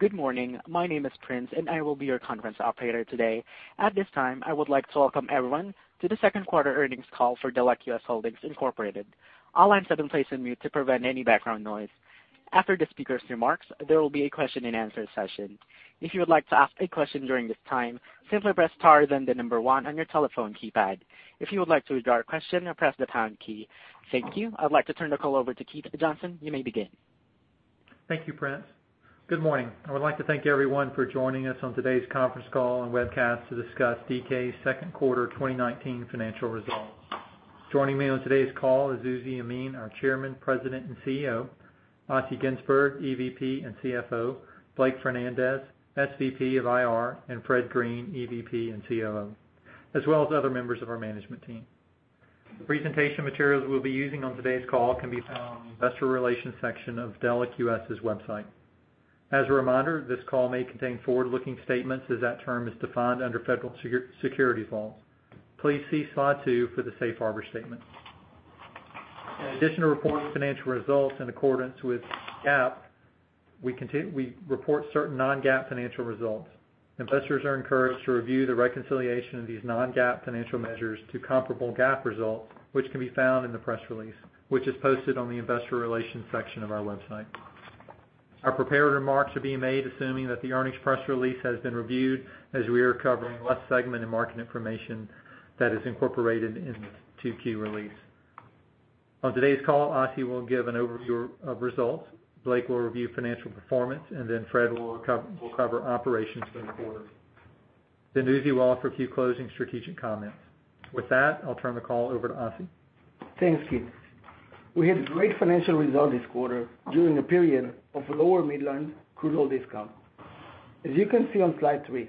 Good morning. My name is Operator, and I will be your conference operator today. At this time, I would like to welcome everyone to the second quarter earnings call for Delek US Holdings Incorporated. All lines have been placed on mute to prevent any background noise. After the speakers' remarks, there will be a question and answer session. If you would like to ask a question during this time, simply press star then the number 1 on your telephone keypad. If you would like to withdraw a question, press the pound key. Thank you. I'd like to turn the call over to Keith Stanley. You may begin. Thank you, Operator. Good morning. I would like to thank everyone for joining us on today's conference call and webcast to discuss DK's second quarter 2019 financial results. Joining me on today's call is Uzi Yemin, our Chairman, President, and CEO, Assi Ginzburg, EVP and CFO, Blake Fernandez, SVP of IR, and Fred Green, EVP and COO, as well as other members of our management team. The presentation materials we'll be using on today's call can be found on the investor relations section of Delek US's website. As a reminder, this call may contain forward-looking statements as that term is defined under federal securities laws. Please see slide two for the safe harbor statement. In addition to reporting financial results in accordance with GAAP, we report certain non-GAAP financial results. Investors are encouraged to review the reconciliation of these non-GAAP financial measures to comparable GAAP results, which can be found in the press release, which is posted on the investor relations section of our website. Our prepared remarks are being made assuming that the earnings press release has been reviewed, as we are covering less segment and market information that is incorporated in the two key release. On today's call, Assi will give an overview of results, Blake will review financial performance, and then Fred will cover operations for the quarter. Uzi will offer a few closing strategic comments. With that, I'll turn the call over to Assi. Thanks, Keith. We had great financial results this quarter during a period of lower Midland crude oil discount. As you can see on slide three,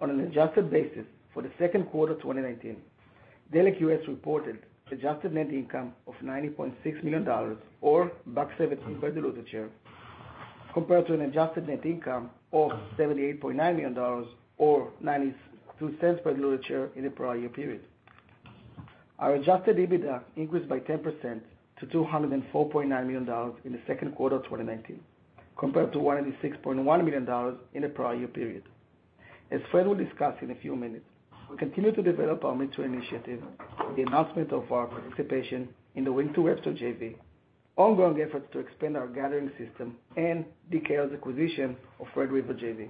on an an adjusted basis for the second quarter 2019, Delek US reported adjusted net income of $90.6 million or $1.17 per diluted share, compared to an adjusted net income of $78.9 million or $0.92 per diluted share in the prior year period. Our adjusted EBITDA increased by 10% to $204.9 million in the second quarter of 2019, compared to $186.1 million in the prior year period. As Fred will discuss in a few minutes, we continue to develop our midstream initiative with the announcement of our participation in the Wink to Webster JV, ongoing efforts to expand our gathering system, and DKL's acquisition of Red River JV.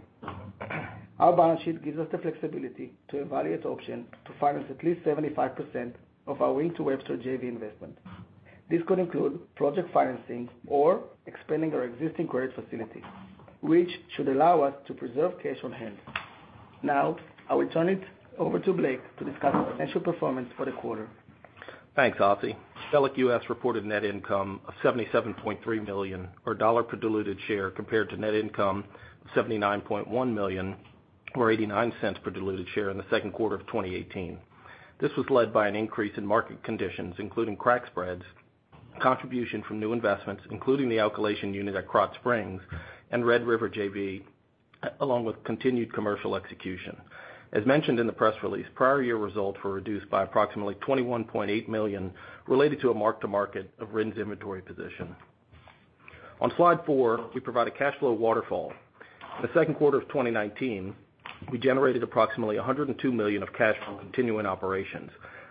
Our balance sheet gives us the flexibility to evaluate options to finance at least 75% of our Wink to Webster JV investment. This could include project financing or expanding our existing credit facility, which should allow us to preserve cash on hand. Now, I will turn it over to Blake to discuss financial performance for the quarter. Thanks, Assi. Delek US reported net income of $77.3 million or $1 per diluted share compared to net income of $79.1 million or $0.89 per diluted share in the second quarter of 2018. This was led by an increase in market conditions, including crack spreads, contribution from new investments, including the alkylation unit at Krotz Springs and Red River JV, along with continued commercial execution. As mentioned in the press release, prior year results were reduced by approximately $21.8 million related to a mark-to-market of RINs inventory position. On slide four, we provide a cash flow waterfall. In the second quarter of 2019, we generated approximately $102 million of cash from continuing operations.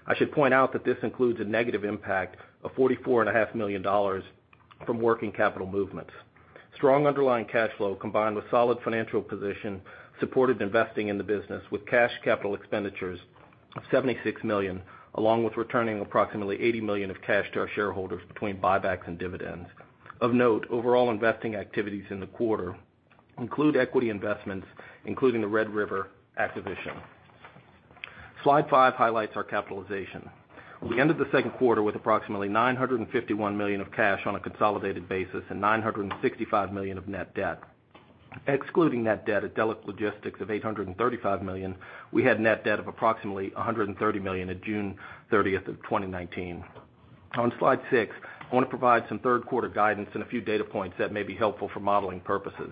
I should point out that this includes a negative impact of $44.5 million from working capital movements. Strong underlying cash flow combined with solid financial position supported investing in the business with cash capital expenditures of $76 million, along with returning approximately $80 million of cash to our shareholders between buybacks and dividends. Of note, overall investing activities in the quarter include equity investments, including the Red River acquisition. Slide five highlights our capitalization. We ended the second quarter with approximately $951 million of cash on a consolidated basis and $965 million of net debt. Excluding net debt at Delek Logistics of $835 million, we had net debt of approximately $130 million at June 30th of 2019. On slide six, I want to provide some third quarter guidance and a few data points that may be helpful for modeling purposes.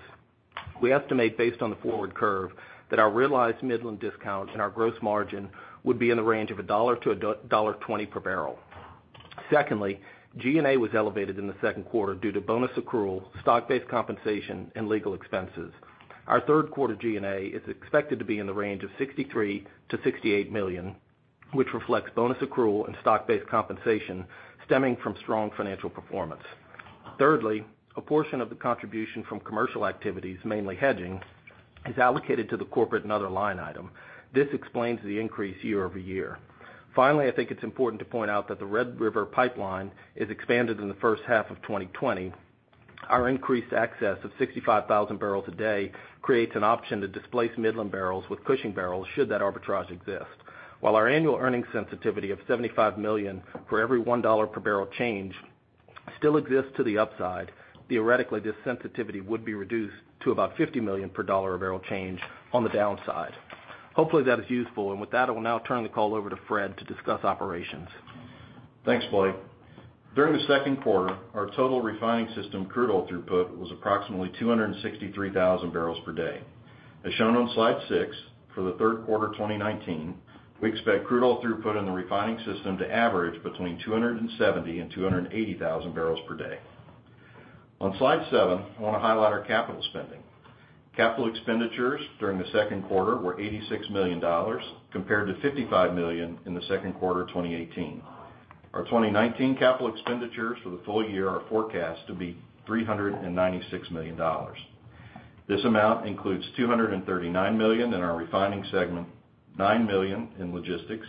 We estimate based on the forward curve that our realized Midland discount and our gross margin would be in the range of $1-$1.20 per barrel. Secondly, G&A was elevated in the second quarter due to bonus accrual, stock-based compensation, and legal expenses. Our third quarter G&A is expected to be in the range of $63 million-$68 million, which reflects bonus accrual and stock-based compensation stemming from strong financial performance. Thirdly, a portion of the contribution from commercial activities, mainly hedging, is allocated to the corporate and other line item. This explains the increase year-over-year. Finally, I think it's important to point out that the Red River Pipeline is expanded in the first half of 2020. Our increased access of 65,000 barrels a day creates an option to displace Midland barrels with Cushing barrels should that arbitrage exist. While our annual earnings sensitivity of $75 million for every $1 per barrel change still exists to the upside, theoretically, this sensitivity would be reduced to about $50 million per dollar a barrel change on the downside. Hopefully that is useful. With that, I will now turn the call over to Fred to discuss operations. Thanks, Blake. During the second quarter, our total refining system crude oil throughput was approximately 263,000 barrels per day. Shown on slide six for the third quarter 2019, we expect crude oil throughput in the refining system to average between 270,000 and 280,000 barrels per day. On slide seven, I want to highlight our capital spending. Capital expenditures during the second quarter were $86 million compared to $55 million in the second quarter of 2018. Our 2019 capital expenditures for the full year are forecast to be $396 million. This amount includes $239 million in our refining segment, $9 million in logistics,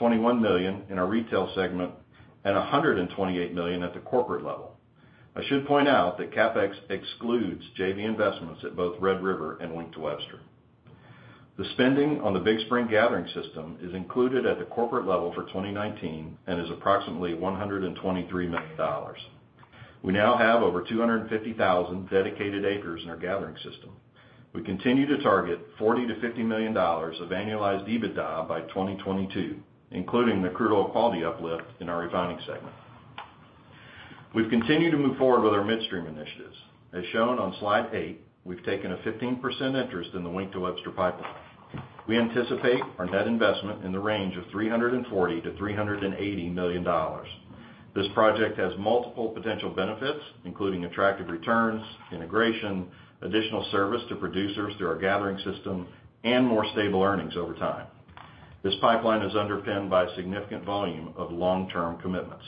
$21 million in our retail segment, and $128 million at the corporate level. I should point out that CapEx excludes JV investments at both Red River and Wink to Webster. The spending on the Big Spring Gathering System is included at the corporate level for 2019 and is approximately $123 million. We now have over 250,000 dedicated acres in our gathering system. We continue to target $40 million-$50 million of annualized EBITDA by 2022, including the crude oil quality uplift in our refining segment. We've continued to move forward with our midstream initiatives. As shown on slide eight, we've taken a 15% interest in the Wink to Webster Pipeline. We anticipate our net investment in the range of $340 million-$380 million. This project has multiple potential benefits, including attractive returns, integration, additional service to producers through our gathering system, and more stable earnings over time. This pipeline is underpinned by a significant volume of long-term commitments.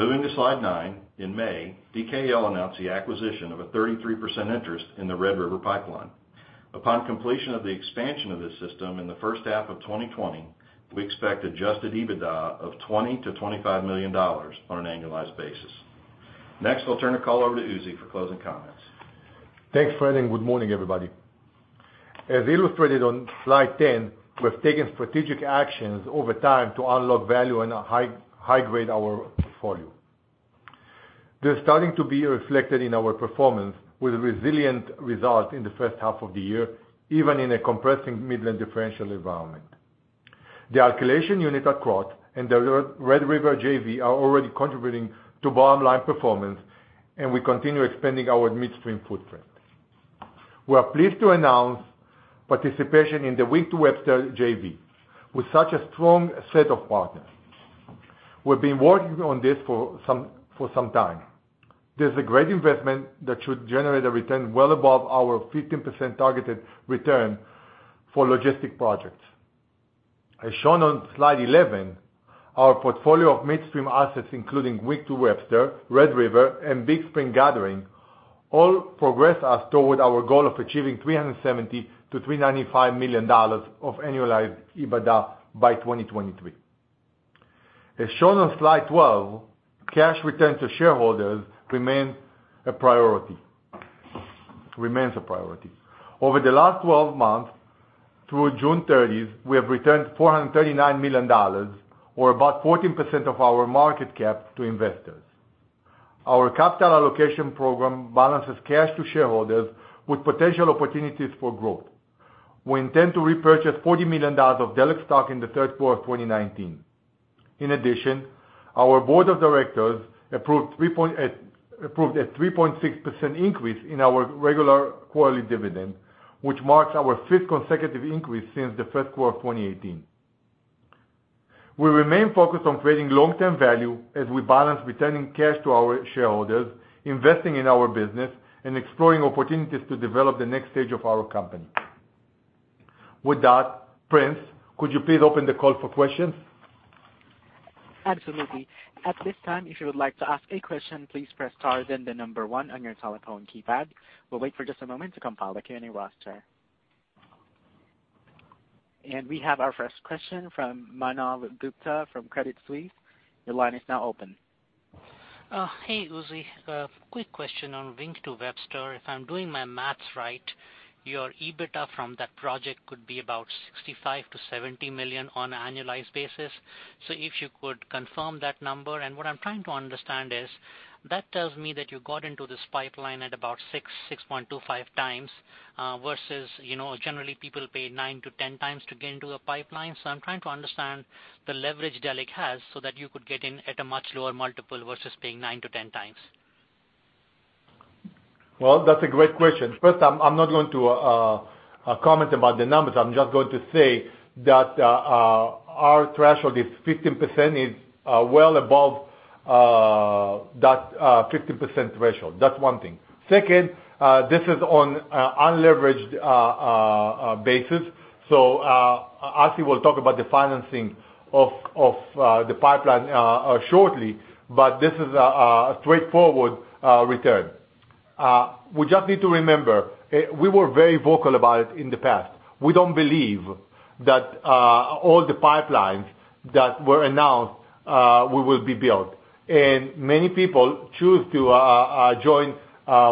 Moving to slide nine. In May, DKL announced the acquisition of a 33% interest in the Red River Pipeline. Upon completion of the expansion of this system in the first half of 2020, we expect adjusted EBITDA of $20 million-$25 million on an annualized basis. Next, I'll turn the call over to Uzi for closing comments. Thanks, Fred. Good morning, everybody. As illustrated on slide 10, we have taken strategic actions over time to unlock value and high grade our portfolio. They're starting to be reflected in our performance with resilient results in the first half of the year, even in a compressing Midland differential environment. The alkylation unit at Krotz and the Red River JV are already contributing to bottom-line performance, and we continue expanding our midstream footprint. We are pleased to announce participation in the Wink to Webster JV with such a strong set of partners. We've been working on this for some time. This is a great investment that should generate a return well above our 15% targeted return for logistic projects. As shown on slide 11, our portfolio of midstream assets, including Wink to Webster, Red River, and Big Spring Gathering, all progress us toward our goal of achieving $370 million-$395 million of annualized EBITDA by 2023. As shown on slide 12, cash return to shareholders remains a priority. Over the last 12 months through June 30th, we have returned $439 million or about 14% of our market cap to investors. Our capital allocation program balances cash to shareholders with potential opportunities for growth. We intend to repurchase $40 million of Delek stock in the third quarter of 2019. In addition, our board of directors approved a 3.6% increase in our regular quarterly dividend, which marks our fifth consecutive increase since the first quarter of 2018. We remain focused on creating long-term value as we balance returning cash to our shareholders, investing in our business, and exploring opportunities to develop the next stage of our company. With that, Operator, could you please open the call for questions? Absolutely. At this time, if you would like to ask a question, please press star then the number one on your telephone keypad. We'll wait for just a moment to compile the Q&A roster. We have our first question from Manav Gupta from Credit Suisse. Your line is now open. Hey, Uzi. A quick question on Wink to Webster. If I'm doing my math right, your EBITDA from that project could be about $65 million-$70 million on an annualized basis. If you could confirm that number. What I'm trying to understand is that tells me that you got into this pipeline at about six, 6.25 times, versus generally people pay 9-10 times to get into a pipeline. I'm trying to understand the leverage Delek has so that you could get in at a much lower multiple versus paying 9-10 times. Well, that's a great question. First, I'm not going to comment about the numbers. I'm just going to say that our threshold is 15% is well above that 50% threshold. That's one thing. Second, this is on unleveraged basis. Assi will talk about the financing of the pipeline shortly, but this is a straightforward return. We just need to remember, we were very vocal about it in the past. We don't believe that all the pipelines that were announced will be built. Many people choose to join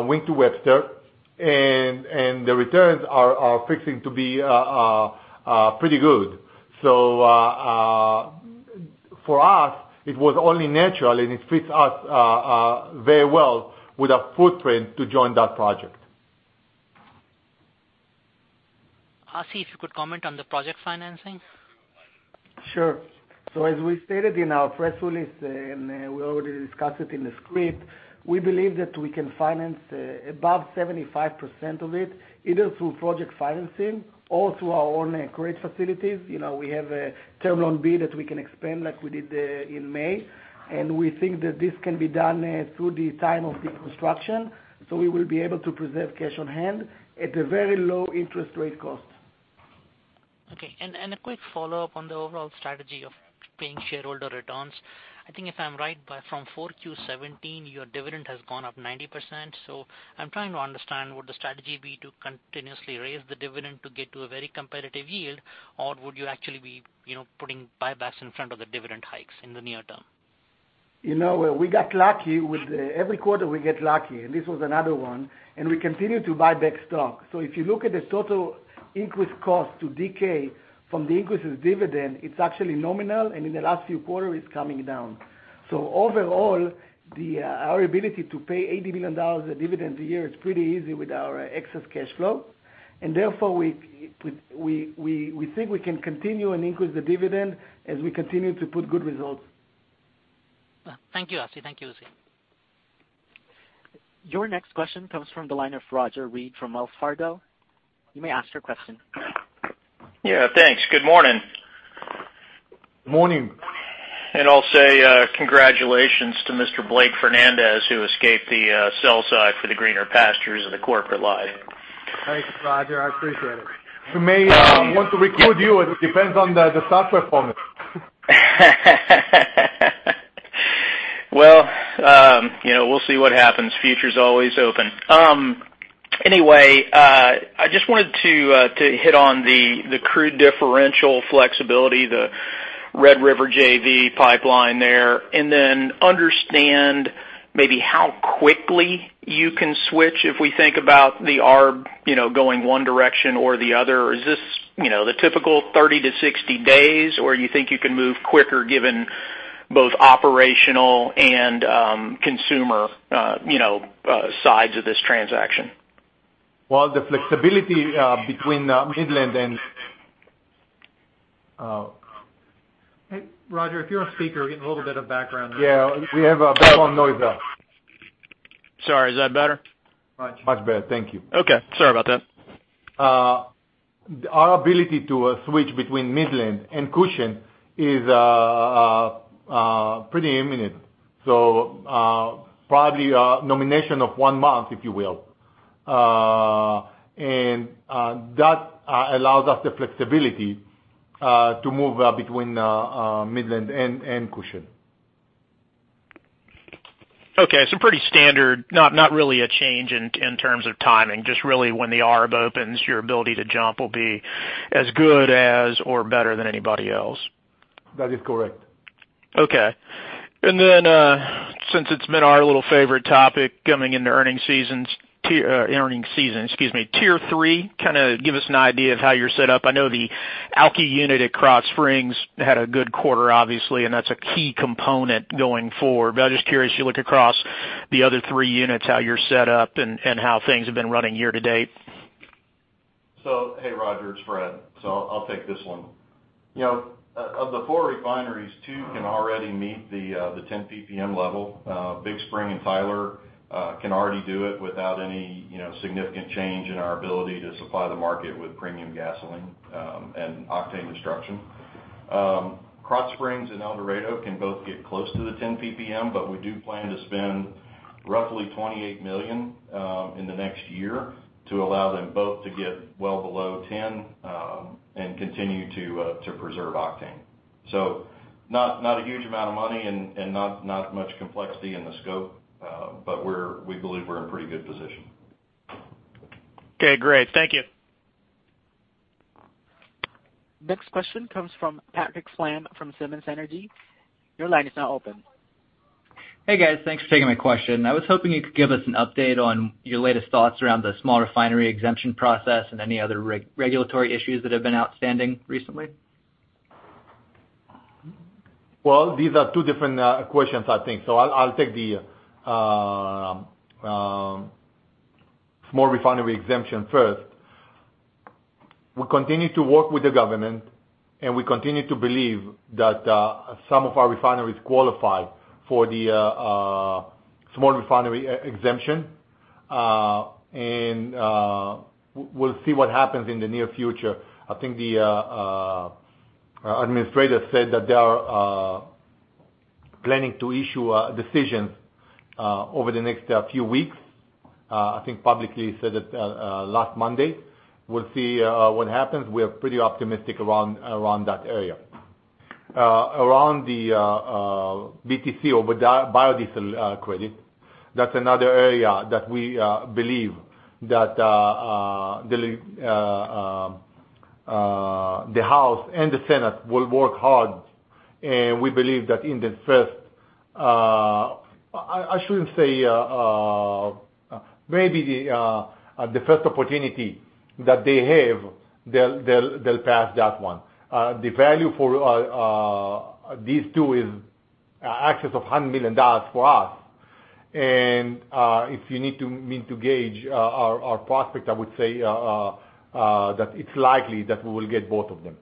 Wink to Webster, and the returns are fixing to be pretty good. For us, it was only natural, and it fits us very well with our footprint to join that project. Assi, if you could comment on the project financing. As we stated in our press release, and we already discussed it in the script, we believe that we can finance above 75% of it, either through project financing or through our own credit facilities. We have a Term Loan B that we can expand like we did in May, and we think that this can be done through the time of the construction. We will be able to preserve cash on hand at a very low interest rate cost. Okay. A quick follow-up on the overall strategy of paying shareholder returns. I think if I'm right, but from 4Q 2017, your dividend has gone up 90%. I'm trying to understand, would the strategy be to continuously raise the dividend to get to a very competitive yield, or would you actually be putting buybacks in front of the dividend hikes in the near term? We got lucky every quarter we get lucky. This was another one. We continue to buy back stock. If you look at the total increase cost to DK from the increase of dividend, it's actually nominal, and in the last few quarters, it's coming down. Overall, our ability to pay $80 billion of dividend a year is pretty easy with our excess cash flow. Therefore, we think we can continue and increase the dividend as we continue to put good results. Thank you, Assi. Your next question comes from the line of Roger Read from Wells Fargo. You may ask your question. Yeah. Thanks. Good morning. Morning. I'll say congratulations to Mr. Blake Fernandez, who escaped the sell side for the greener pastures of the corporate life. Thanks, Roger. I appreciate it. We may want to recruit you. It depends on the stock performance. Well, we'll see what happens. Future's always open. Anyway, I just wanted to hit on the crude differential flexibility, the Red River JV pipeline there, and then understand maybe how quickly you can switch if we think about the ARB going one direction or the other. Is this the typical 30-60 days, or you think you can move quicker given both operational and consumer sides of this transaction? Well, the flexibility between Midland and. Hey, Roger, if you're on speaker, we're getting a little bit of background noise. We have a background noise. Sorry, is that better? Much better. Thank you. Okay. Sorry about that. Our ability to switch between Midland and Cushing is pretty imminent. Probably a nomination of one month, if you will. That allows us the flexibility to move between Midland and Cushing. Okay. Pretty standard. Not really a change in terms of timing, just really when the ARB opens, your ability to jump will be as good as or better than anybody else. That is correct. Okay. Since it's been our little favorite topic coming into earning season, Tier 3, kind of give us an idea of how you're set up. I know the Alky unit at Krotz Springs had a good quarter, obviously, and that's a key component going forward. I'm just curious, you look across the other three units, how you're set up and how things have been running year to date. Hey, Roger. It's Fred. I'll take this one. Of the four refineries, two can already meet the 10 PPM level. Big Spring and Tyler can already do it without any significant change in our ability to supply the market with premium gasoline and octane construction. Krotz Springs and El Dorado can both get close to the 10 PPM, but we do plan to spend roughly $28 million in the next year to allow them both to get well below 10 and continue to preserve octane. Not a huge amount of money and not much complexity in the scope. We believe we're in pretty good position. Okay, great. Thank you. Next question comes from Patrick Flam from Simmons Energy. Your line is now open. Hey, guys. Thanks for taking my question. I was hoping you could give us an update on your latest thoughts around the Small Refinery Exemption process and any other regulatory issues that have been outstanding recently. Well, these are two different questions, I think. I'll take the Small Refinery Exemption first. We continue to work with the government, and we continue to believe that some of our refineries qualify for the Small Refinery Exemption. We'll see what happens in the near future. I think the administrator said that they are planning to issue a decision over the next few weeks. I think publicly he said it last Monday. We'll see what happens. We are pretty optimistic around that area. Around the BTC or biodiesel credit, that's another area that we believe that the House and the Senate will work hard, and we believe that in maybe the first opportunity that they have, they'll pass that one. The value for these two is in excess of $100 million for us. If you need to gauge our prospect, I would say that it's likely that we will get both of them.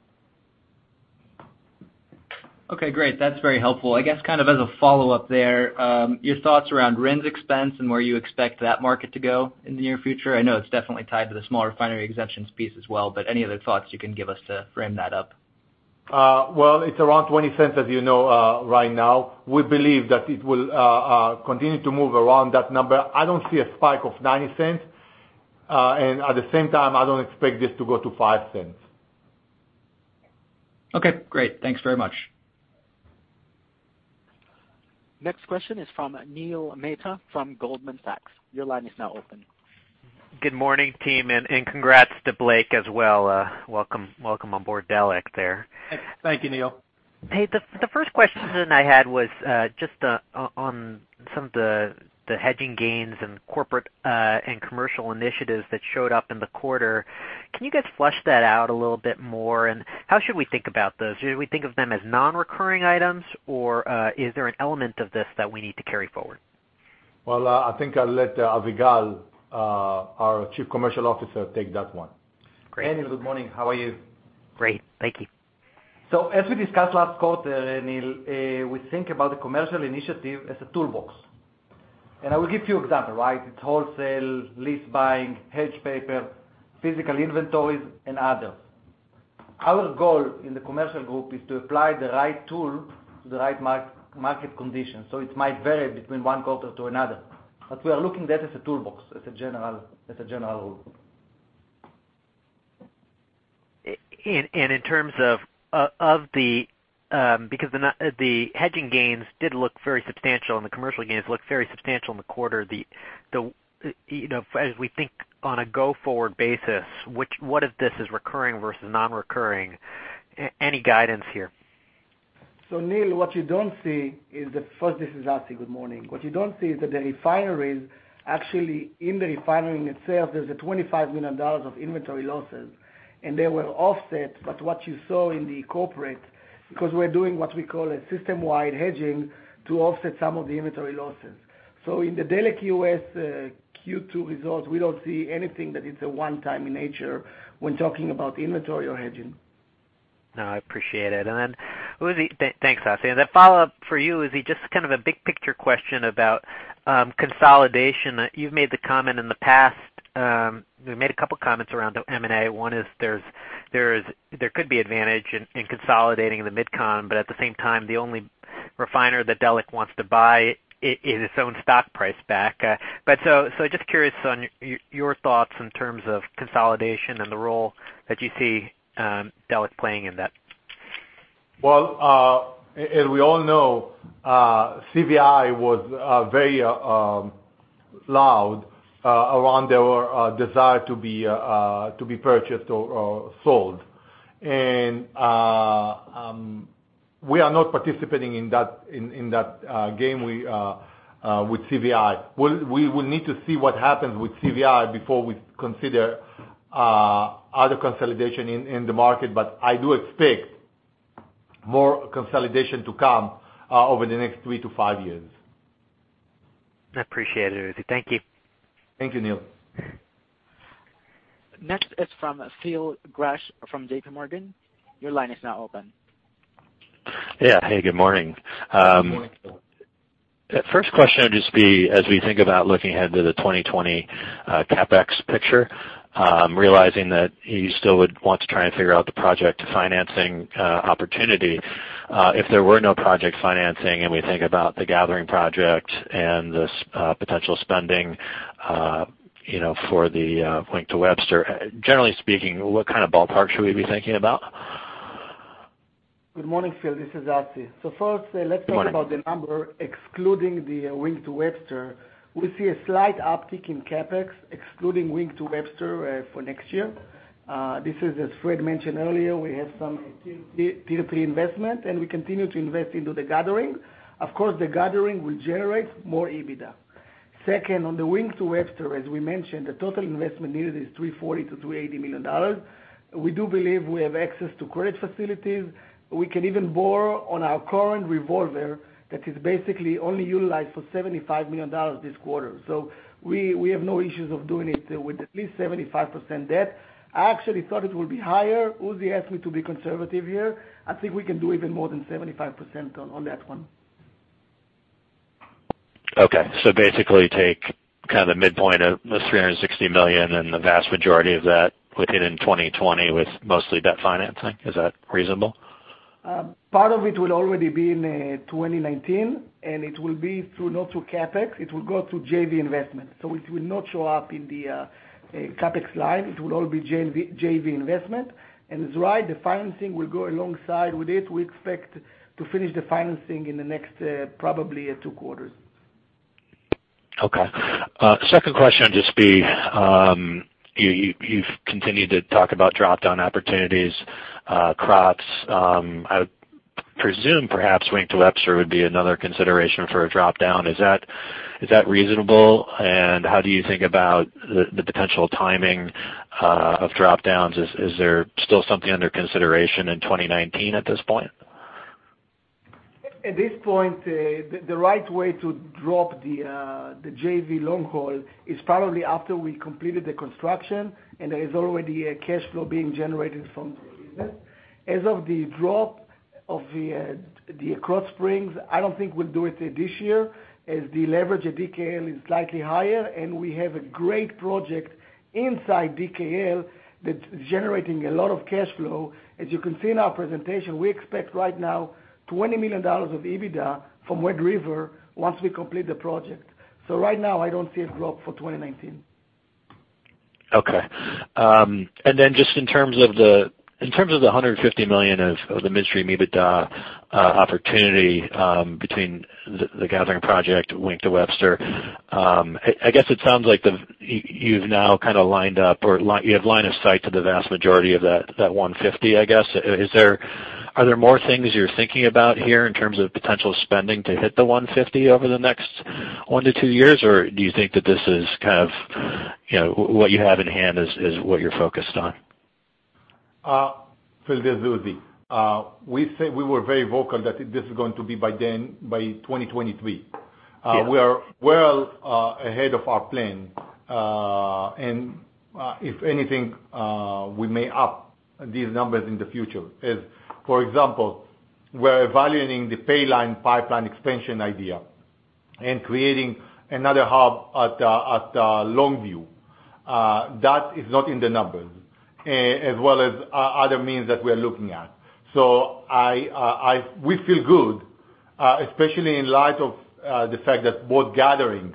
Okay, great. That's very helpful. I guess, kind of as a follow-up there, your thoughts around RINs expense and where you expect that market to go in the near future. I know it's definitely tied to the Small Refinery Exemptions piece as well, but any other thoughts you can give us to frame that up? Well, it's around $0.20, as you know, right now. We believe that it will continue to move around that number. I don't see a spike of $0.90, and at the same time, I don't expect this to go to $0.05. Okay, great. Thanks very much. Next question is from Neil Mehta from Goldman Sachs. Your line is now open. Good morning, team, and congrats to Blake as well. Welcome onboard Delek there. Thank you, Neil. Hey, the first question I had was just on some of the hedging gains and corporate and commercial initiatives that showed up in the quarter. Can you guys flesh that out a little bit more, and how should we think about those? Should we think of them as non-recurring items, or is there an element of this that we need to carry forward? Well, I think I'll let Avigal, our Chief Commercial Officer, take that one. Great. Neil, good morning. How are you? Great, thank you. As we discussed last quarter, Neil, we think about the commercial initiative as a toolbox. I will give you example. It's wholesale, lease buying, hedge paper, physical inventories, and others. Our goal in the commercial group is to apply the right tool to the right market condition. It might vary between one quarter to another, but we are looking at that as a toolbox, as a general rule. Because the hedging gains did look very substantial, and the commercial gains looked very substantial in the quarter, as we think on a go-forward basis, what of this is recurring versus non-recurring? Any guidance here? Neil. First, this is Assi. Good morning. What you don't see is that the refineries, actually in the refinery itself, there's a $25 million of inventory losses, and they were offset. What you saw in the corporate, because we're doing what we call a system-wide hedging to offset some of the inventory losses. In the Delek US Q2 results, we don't see anything that is a one-time in nature when talking about inventory or hedging. No, I appreciate it. Thanks, Assi. The follow-up for you, Uzi, just kind of a big picture question about consolidation. You've made the comment in the past. You made a couple comments around M&A. One is there could be advantage in consolidating the mid-con, but at the same time, the only refiner that Delek wants to buy is its own stock price back. Just curious on your thoughts in terms of consolidation and the role that you see Delek playing in that. Well, as we all know, CVI was very loud around their desire to be purchased or sold. We are not participating in that game with CVI. We will need to see what happens with CVI before we consider other consolidation in the market. I do expect more consolidation to come over the next three to five years. I appreciate it, Uzi. Thank you. Thank you, Neil. Next is from Phil Gresh from JPMorgan. Your line is now open. Yeah. Hey, good morning. Good morning, Phil. First question would just be, as we think about looking ahead to the 2020 CapEx picture, realizing that you still would want to try and figure out the project financing opportunity. If there were no project financing and we think about the gathering project and the potential spending for the Wink to Webster, generally speaking, what kind of ballpark should we be thinking about? Good morning, Phil. This is Assi. Good morning. First, let's talk about the number excluding the Wink to Webster. We see a slight uptick in CapEx, excluding Wink to Webster for next year. This is, as Fred mentioned earlier, we have some P2P investment, and we continue to invest into the gathering. Of course, the gathering will generate more EBITDA. Second, on the Wink to Webster, as we mentioned, the total investment needed is $340 million-$380 million. We do believe we have access to credit facilities. We can even borrow on our current revolver that is basically only utilized for $75 million this quarter. We have no issues of doing it with at least 75% debt. I actually thought it would be higher. Uzi asked me to be conservative here. I think we can do even more than 75% on that one. Okay, basically take kind of the midpoint of the $360 million, and the vast majority of that put it in 2020 with mostly debt financing. Is that reasonable? Part of it will already be in 2019, and it will be through not through CapEx, it will go through JV investment. It will not show up in the CapEx slide. It will all be JV investment. It's right, the financing will go alongside with it. We expect to finish the financing in the next probably two quarters. Okay. Second question would just be, you've continued to talk about drop-down opportunities, Krotz. I would presume perhaps Wink to Webster would be another consideration for a drop-down. Is that reasonable, and how do you think about the potential timing of drop-downs? Is there still something under consideration in 2019 at this point? At this point, the right way to drop the JV long haul is probably after we completed the construction, and there is already a cash flow being generated from the business. As of the drop of the Krotz Springs, I don't think we'll do it this year, as the leverage at DKL is slightly higher, and we have a great project inside DKL that's generating a lot of cash flow. As you can see in our presentation, we expect right now $20 million of EBITDA from Red River once we complete the project. Right now, I don't see a drop for 2019. Okay. Just in terms of the $150 million of the midstream EBITDA opportunity between the gathering project, Wink to Webster. It sounds like you've now kind of lined up or you have line of sight to the vast majority of that $150. Are there more things you're thinking about here in terms of potential spending to hit the $150 over the next one to two years? Do you think that this is kind of what you have in hand is what you're focused on? This is Uzi. We were very vocal that this is going to be by 2023. Yes. We are well ahead of our plan. If anything, we may up these numbers in the future. For example, we're evaluating the Paline pipeline expansion idea and creating another hub at Longview. That is not in the numbers, as well as other means that we're looking at. We feel good, especially in light of the fact that both gathering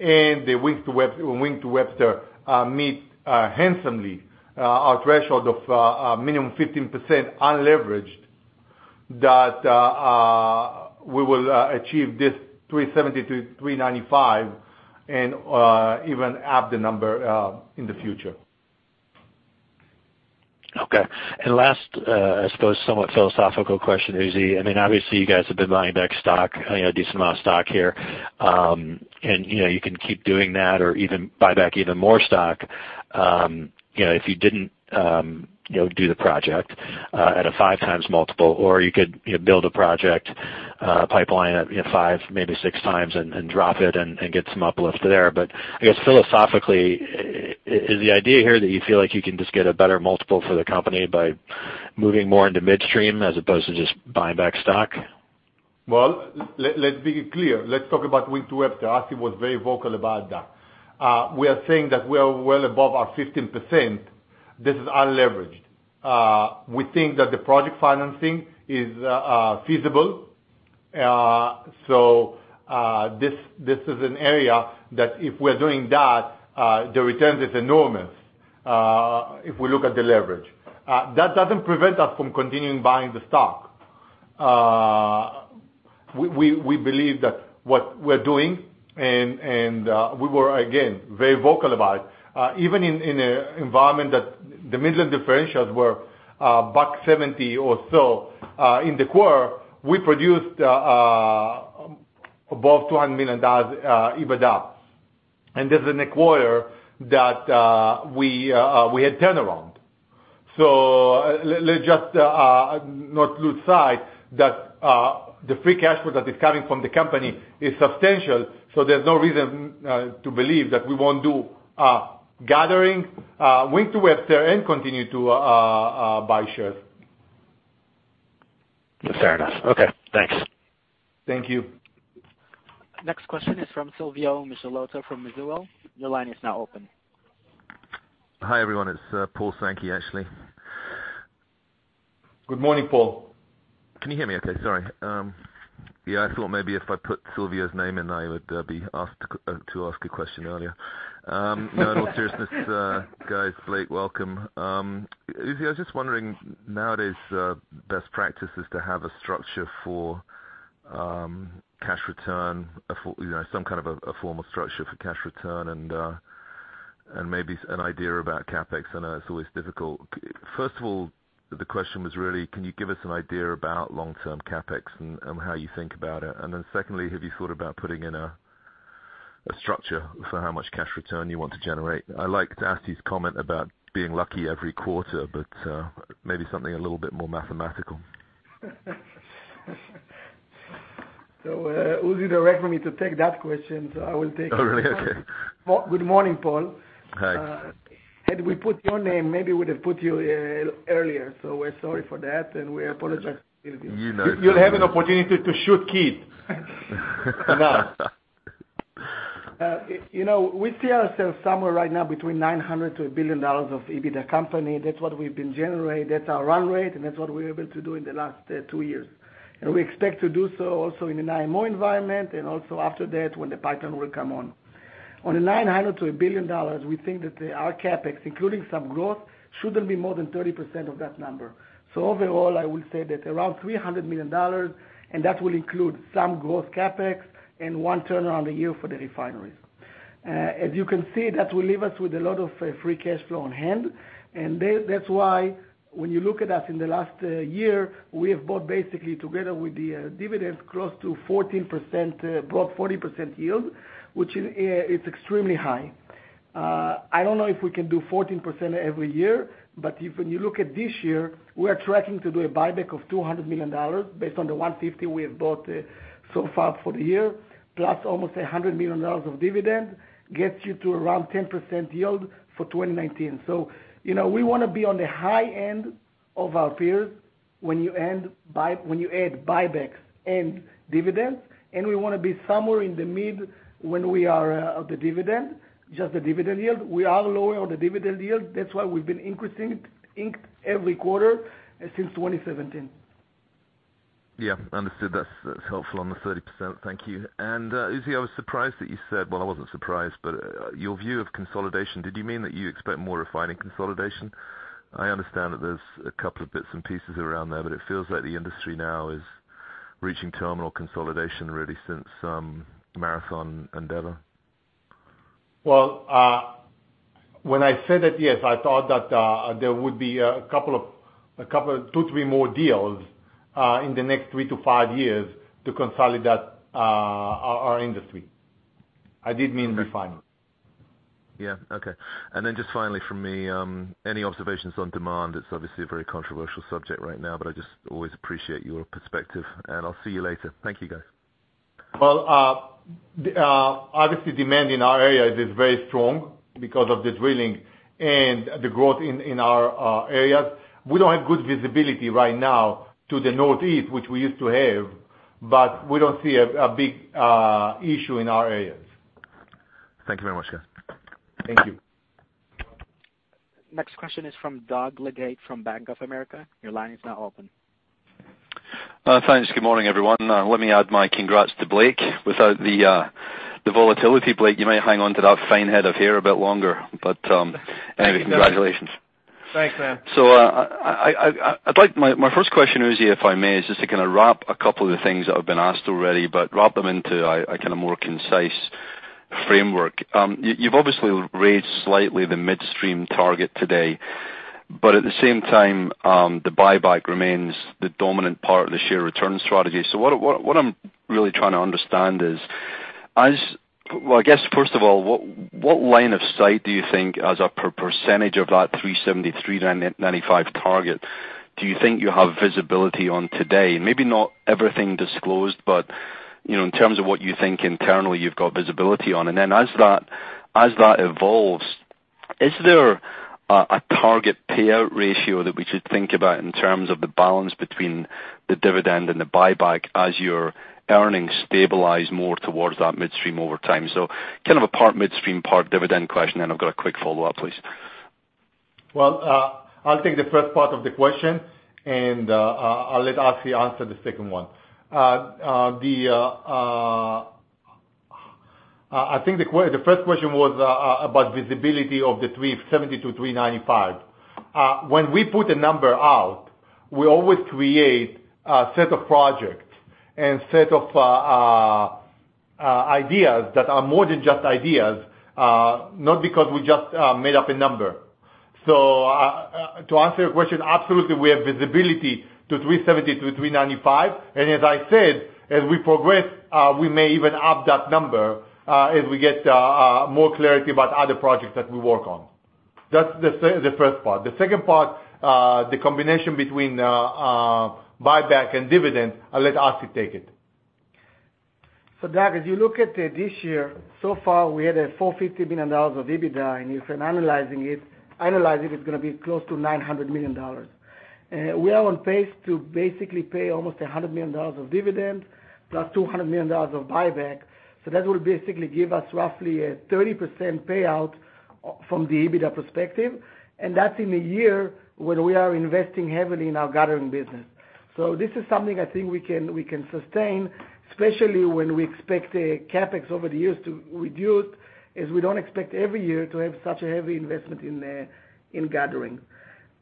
and the Wink to Webster meet handsomely our threshold of a minimum 15% unleveraged, that we will achieve this $370-$395 and even up the number in the future. Okay. Last, I suppose somewhat philosophical question, Uzi. Obviously, you guys have been buying back stock, a decent amount of stock here. You can keep doing that or even buy back even more stock. If you didn't do the project at a 5 times multiple, or you could build a project pipeline at 5, maybe 6 times and drop it and get some uplift there. I guess philosophically, is the idea here that you feel like you can just get a better multiple for the company by moving more into midstream as opposed to just buying back stock? Let's be clear. Let's talk about Wink to Webster. Assi was very vocal about that. We are saying that we are well above our 15%. This is unleveraged. We think that the project financing is feasible. This is an area that if we're doing that, the return is enormous, if we look at the leverage. That doesn't prevent us from continuing buying the stock. We believe that what we're doing, and we were, again, very vocal about it. Even in an environment that the Midland differentials were back $70 or so in the quarter, we produced above $200 million EBITDA. This is in a quarter that we had turnaround. Let's just not lose sight that the free cash flow that is coming from the company is substantial. There's no reason to believe that we won't do a gathering Wink to Webster and continue to buy shares. Fair enough. Okay, thanks. Thank you. Next question is from Silvio Michelotto from Mizuho. Your line is now open. Hi, everyone. It's Paul Sankey, actually. Good morning, Paul. Can you hear me okay? Sorry. Yeah, I thought maybe if I put Silvio's name in, I would be asked to ask a question earlier. In all seriousness, guys, Blake, welcome. Uzi, I was just wondering, nowadays, best practice is to have a structure for cash return, some kind of a formal structure for cash return, and maybe an idea about CapEx. I know it's always difficult. First of all, the question was really, can you give us an idea about long-term CapEx and how you think about it? Secondly, have you thought about putting in a structure for how much cash return you want to generate? I liked Assi's comment about being lucky every quarter, but maybe something a little bit more mathematical. Uzi directed me to take that question, so I will take it. Oh, really? Okay. Good morning, Paul. Hi. Had we put your name, maybe we'd have put you earlier. We're sorry for that, and we apologize. You know. You'll have an opportunity to shoot Keith now. We see ourselves somewhere right now between $900 million-$1 billion of EBITDA company. That's what we've been generating. That's our run rate, that's what we're able to do in the last two years. We expect to do so also in an IMO 2020 environment and also after that when the pattern will come on. On the $900 million-$1 billion, we think that our CapEx, including some growth, shouldn't be more than 30% of that number. Overall, I will say that around $300 million, that will include some growth CapEx and one turnaround a year for the refineries. As you can see, that will leave us with a lot of free cash flow on hand. That's why when you look at us in the last year, we have bought basically together with the dividends close to 14%, brought 40% yield, which is extremely high. I don't know if we can do 14% every year, when you look at this year, we are tracking to do a buyback of $200 million based on the $150 we have bought so far for the year, plus almost $100 million of dividend, gets you to around 10% yield for 2019. We want to be on the high end of our peers when you add buybacks and dividends, and we want to be somewhere in the mid when we are of the dividend, just the dividend yield. We are lower on the dividend yield. That's why we've been increasing it every quarter since 2017. Yeah. Understood. That's helpful on the 30%. Thank you. Uzi Yemin, I was surprised that you said. Well, I wasn't surprised, but your view of consolidation, did you mean that you expect more refining consolidation? I understand that there's a couple of bits and pieces around there, it feels like the industry now is reaching terminal consolidation, really, since Marathon and Andeavor. When I said that, yes, I thought that there would be two, three more deals in the next three to five years to consolidate our industry. I did mean refining. Yeah. Okay. Just finally from me, any observations on demand? It's obviously a very controversial subject right now, I just always appreciate your perspective, I'll see you later. Thank you, guys. Obviously demand in our area is very strong because of the drilling and the growth in our areas. We don't have good visibility right now to the Northeast, which we used to have, but we don't see a big issue in our areas. Thank you very much, guys. Thank you. Next question is from Doug Leggate from Bank of America. Your line is now open. Thanks. Good morning, everyone. Let me add my congrats to Blake. Without the volatility, Blake, you may hang on to that fine head of hair a bit longer. Anyway, congratulations. Thanks, Manav. My first question, Uzi, if I may, is just to kind of wrap a couple of the things that have been asked already, but wrap them into a more concise framework. You've obviously raised slightly the midstream target today, but at the same time, the buyback remains the dominant part of the share return strategy. What I'm really trying to understand is, well, I guess first of all, what line of sight do you think as a percentage of that 370, 395 target, do you think you have visibility on today? Maybe not everything disclosed, but in terms of what you think internally you've got visibility on. As that evolves, is there a target payout ratio that we should think about in terms of the balance between the dividend and the buyback as your earnings stabilize more towards that midstream over time? Kind of a part midstream, part dividend question? I've got a quick follow-up, please. I'll take the first part of the question, and I'll let Assi answer the second one. I think the first question was about visibility of the 370 to 395. When we put a number out, we always create a set of projects and set of ideas that are more than just ideas, not because we just made up a number. To answer your question, absolutely we have visibility to 370 to 395. As I said, as we progress, we may even up that number, as we get more clarity about other projects that we work on. That's the first part. The second part, the combination between buyback and dividend, I'll let Assi take it. Doug, as you look at this year, so far we had a $450 million of EBITDA, and if analyzing it's going to be close to $900 million. We are on pace to basically pay almost $100 million of dividend, plus $200 million of buyback. That will basically give us roughly a 30% payout from the EBITDA perspective. That's in a year when we are investing heavily in our gathering business. This is something I think we can sustain, especially when we expect the CapEx over the years to reduce, as we don't expect every year to have such a heavy investment in gathering.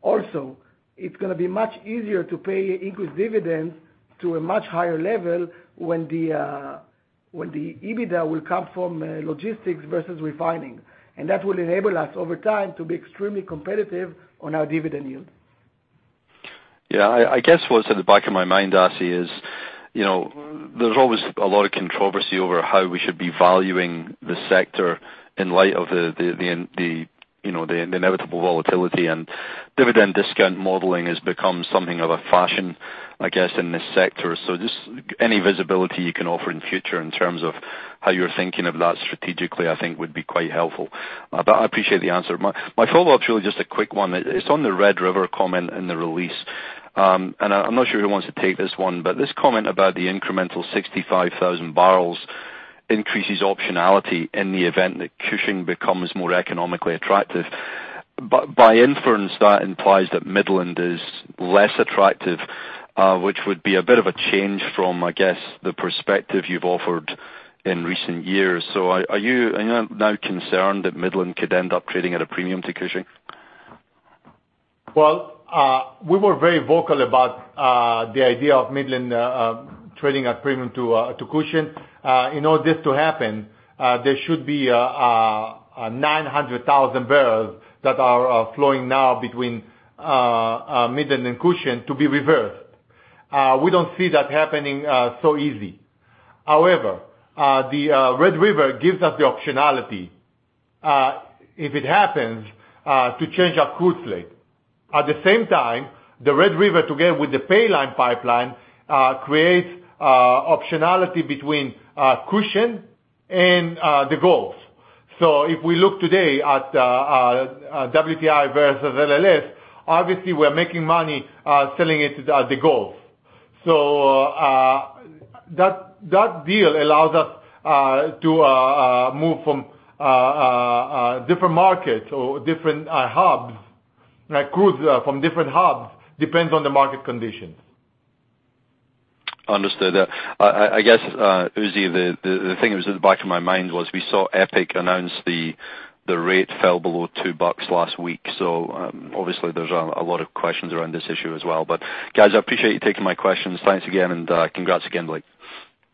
It's going to be much easier to pay increased dividends to a much higher level when the EBITDA will come from logistics versus refining. That will enable us over time to be extremely competitive on our dividend yield. I guess what's in the back of my mind, Assi, is there's always a lot of controversy over how we should be valuing the sector in light of the inevitable volatility, and dividend discount modeling has become something of a fashion, I guess, in this sector. Just any visibility you can offer in future in terms of how you're thinking of that strategically, I think would be quite helpful. I appreciate the answer. My follow-up's really just a quick one. It's on the Red River comment in the release. I'm not sure who wants to take this one, but this comment about the incremental 65,000 barrels increases optionality in the event that Cushing becomes more economically attractive. By inference, that implies that Midland is less attractive, which would be a bit of a change from, I guess, the perspective you've offered in recent years. Are you now concerned that Midland could end up trading at a premium to Cushing? We were very vocal about the idea of Midland trading at premium to Cushing. In order for this to happen, there should be 900,000 barrels that are flowing now between Midland and Cushing to be reversed. We don't see that happening so easy. The Red River gives us the optionality, if it happens, to change our crude slate. At the same time, the Red River, together with the Paline Pipeline, creates optionality between Cushing and the Gulf. If we look today at WTI versus LLS, obviously we're making money selling it at the Gulf. That deal allows us to move from different markets or different hubs. Like crude from different hubs, depends on the market conditions. Understood. I guess, Uzi, the thing that was at the back of my mind was we saw EPIC announce the rate fell below $2 last week. Obviously there's a lot of questions around this issue as well. Guys, I appreciate you taking my questions. Thanks again, and congrats again, Blake.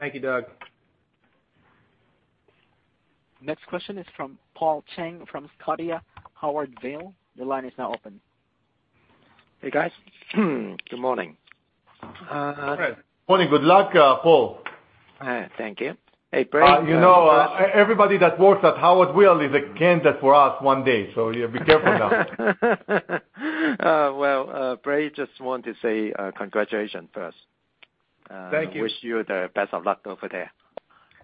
Thank you, Doug. Next question is from Paul Cheng from Scotia Howard Weil. Your line is now open. Hey, guys. Good morning. Fred. Morning. Good luck, Paul. Thank you. Hey, Blake. You know, everybody that works at Howard Weil is a candidate for us one day. Yeah, be careful now. Well, Blake, just want to say congratulations first. Thank you. Wish you the best of luck over there.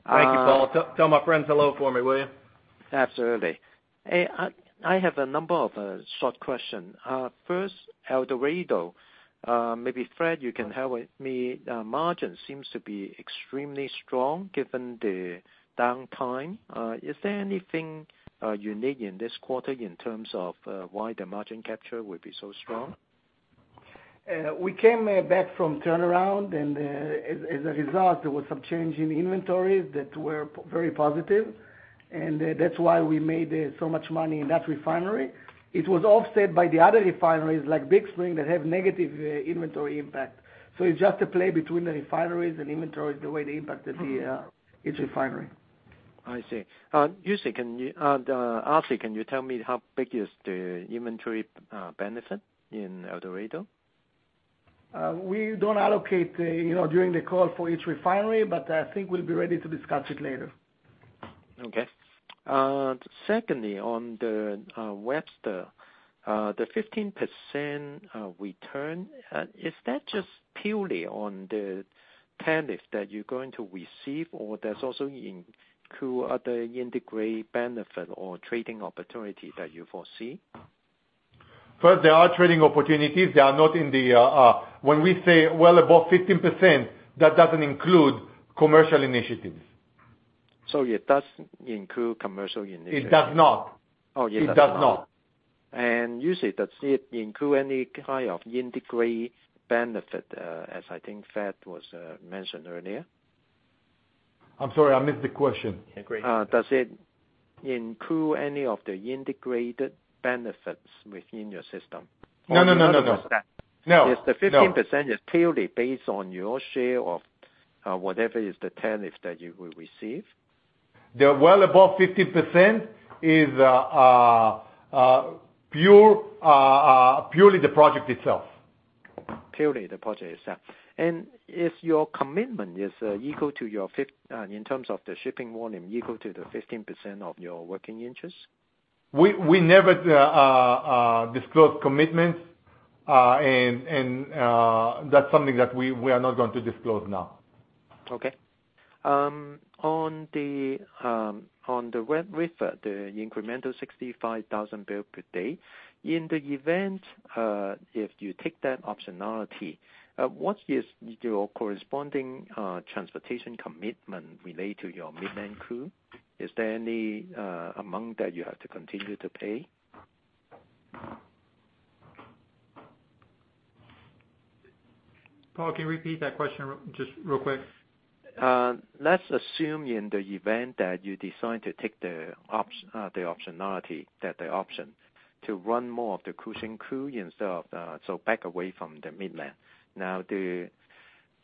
Thank you, Paul. Tell my friends hello for me, will you? Absolutely. Hey, I have a number of short question. First, El Dorado. Maybe Fred, you can help me. Margin seems to be extremely strong given the downtime. Is there anything unique in this quarter in terms of why the margin capture would be so strong? We came back from turnaround and, as a result, there was some change in inventories that were very positive. That's why we made so much money in that refinery. It was offset by the other refineries, like Big Spring, that have negative inventory impact. It's just a play between the refineries and inventories, the way they impacted each refinery. I see. Assi, can you tell me how big is the inventory benefit in El Dorado? We don't allocate during the call for each refinery, but I think we'll be ready to discuss it later. Okay. Secondly, on the Webster, the 15% return, is that just purely on the tariff that you're going to receive, or does also include other integrated benefit or trading opportunity that you foresee? First, there are trading opportunities. When we say well above 15%, that doesn't include commercial initiatives. It does include commercial initiatives? It does not. Oh, it does not. It does not. Uzi, does it include any kind of integrated benefit? As I think Fred was mentioned earlier. I'm sorry, I missed the question. Yeah, go ahead. Does it include any of the integrated benefits within your system? No. Is the 15% purely based on your share of whatever is the tariff that you will receive? The well above 15% is purely the project itself. Purely the project itself. Is your commitment equal to your in terms of the shipping volume equal to the 15% of your working interest? We never disclose commitments. That's something that we are not going to disclose now. Okay. On the Red River, the incremental 65,000 barrel per day. In the event, if you take that optionality, what is your corresponding transportation commitment related to your Midland crude? Is there any amount that you have to continue to pay? Paul, can you repeat that question just real quick? Let's assume in the event that you decide to take the optionality, the option, to run more of the Cushing crude instead of back away from the Midland.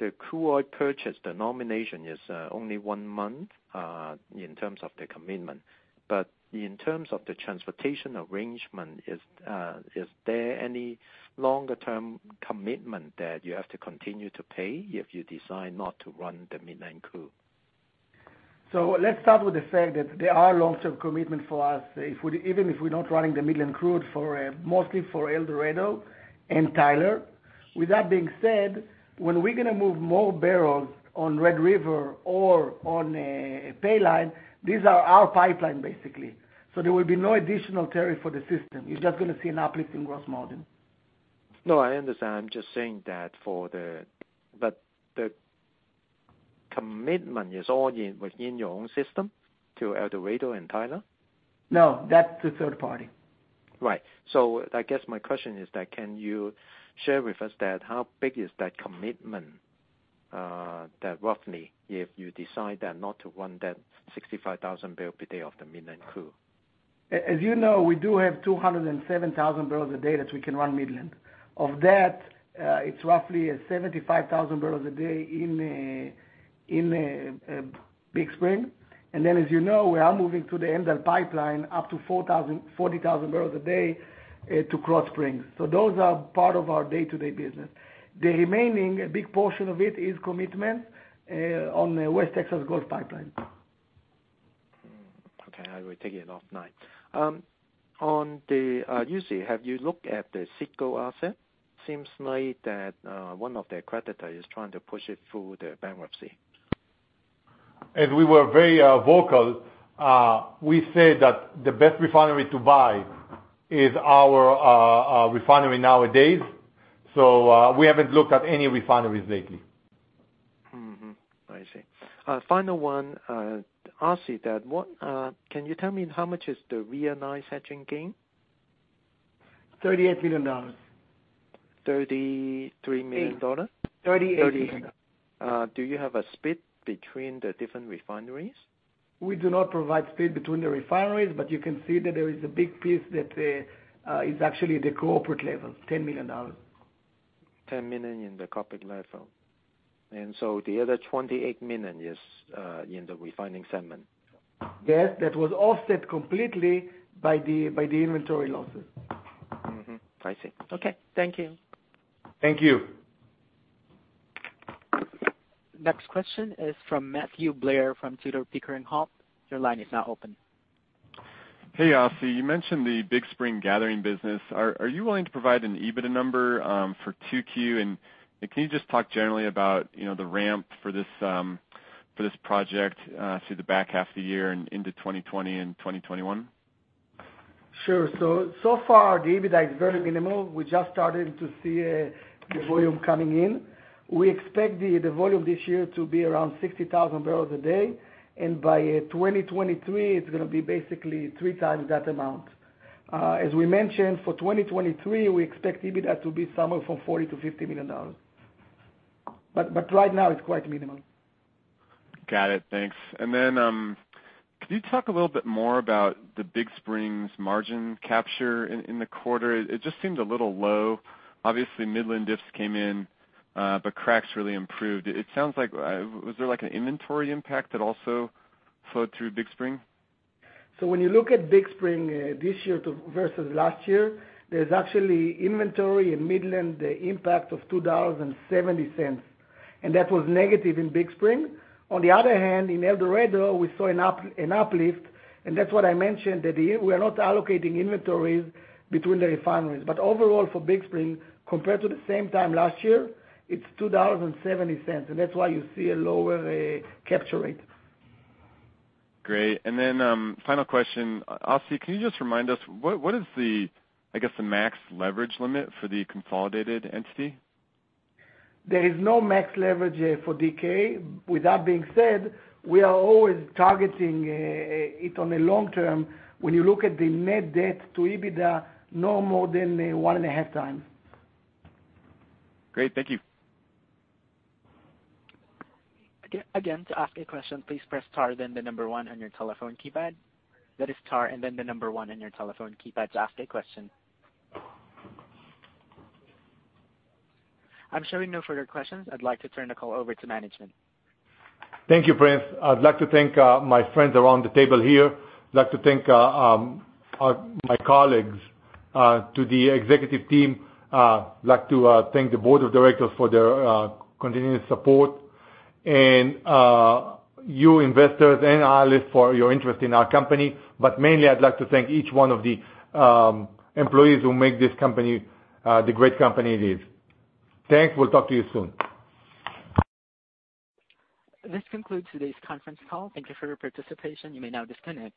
The crude oil purchase, the nomination is only one month, in terms of the commitment. In terms of the transportation arrangement, is there any longer-term commitment that you have to continue to pay if you decide not to run the Midland crude? Let's start with the fact that there are long-term commitment for us, even if we're not running the Midland crude, mostly for El Dorado and Tyler. With that being said, when we're going to move more barrels on Red River or on Paline, these are our pipeline basically. There will be no additional tariff for the system. You're just going to see an uplift in gross margin. I understand. The commitment is all within your own system to El Dorado and Tyler? No, that's the third party. Right. I guess my question is that can you share with us that how big is that commitment, that roughly, if you decide that not to run that 65,000 barrel per day of the Midland crude? As you know, we do have 207,000 barrels a day that we can run Midland. Of that, it's roughly 75,000 barrels a day in Big Spring. As you know, we are moving to the Amdel Pipeline up to 40,000 barrels a day to Krotz Springs. Those are part of our day-to-day business. The remaining, a big portion of it is commitment on West Texas Gulf Pipeline. Okay. I will take it a note. Uzi, have you looked at the Citgo asset? Seems to me that one of their creditor is trying to push it through the bankruptcy. As we were very vocal, we said that the best refinery to buy is our refinery nowadays. We haven't looked at any refineries lately. Mm-hmm. I see. Final one. Assi, can you tell me how much is the realized hedging gain? $38 million. $33 million? $38 million. Do you have a split between the different refineries? We do not provide split between the refineries, but you can see that there is a big piece that is actually the corporate level, $10 million. $10 million in the corporate level. The other $28 million is in the refining segment. Yes, that was offset completely by the inventory losses. Mm-hmm. I see. Okay. Thank you. Thank you. Next question is from Matthew Blair from Tudor, Pickering, Holt. Your line is now open. Hey, Assi. You mentioned the Big Spring Gathering System. Are you willing to provide an EBITDA number for 2Q? Can you just talk generally about the ramp for this project through the back half of the year and into 2020 and 2021? Sure. So far the EBITDA is very minimal. We just started to see the volume coming in. We expect the volume this year to be around 60,000 barrels a day, and by 2023, it's going to be basically three times that amount. As we mentioned for 2023, we expect EBITDA to be somewhere from $40 million-$50 million. Right now, it's quite minimal. Got it. Thanks. Could you talk a little bit more about the Big Spring margin capture in the quarter? It just seemed a little low. Obviously, Midland diffs came in, but cracks really improved. Was there like an inventory impact that also flowed through Big Spring? When you look at Big Spring this year versus last year, there's actually inventory in Midland, the impact of $2.70, and that was negative in Big Spring. In El Dorado, we saw an uplift, and that's what I mentioned, that we are not allocating inventories between the refineries. Overall for Big Spring, compared to the same time last year, it's $2.70, and that's why you see a lower capture rate. Great. Final question. Assi, can you just remind us, what is the max leverage limit for the consolidated entity? There is no max leverage for DK. With that being said, we are always targeting it on a long term. When you look at the net debt to EBITDA, no more than one and a half times. Great. Thank you. Again, to ask a question, please press star then the number one on your telephone keypad. That is star then the number one on your telephone keypad to ask a question. I'm showing no further questions. I'd like to turn the call over to management. Thank you, Operator. I'd like to thank my friends around the table here. I'd like to thank my colleagues, to the executive team. I'd like to thank the board of directors for their continuous support and you investors and analysts for your interest in our company. Mainly, I'd like to thank each one of the employees who make this company the great company it is. Thanks. We'll talk to you soon. This concludes today's conference call. Thank you for your participation. You may now disconnect.